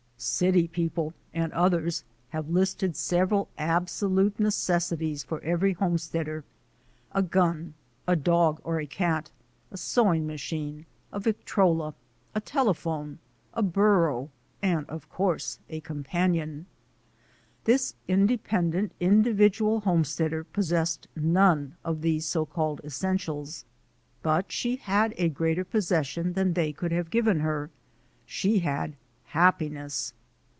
City people and others have listed several ab solute necessities for every homesteader: a gun, a dog or a cat, a sewing machine, a victrola, a tele phone, a burro, and, of course, a companion. This DEVELOPMENT OF A WOMAN GUIDE independent, individual homesteader possessed none of these so called essentials, but she had a greater possession than they could have given her. She had "Happiness."